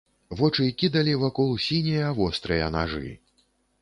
Вочы кідалі вакол сінія вострыя нажы.